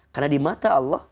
karena di mata allah